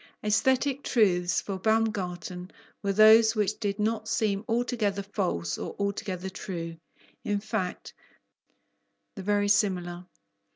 Aesthetic truths for Baumgarten were those which did not seem altogether false or altogether true: in fact, the verisimilar.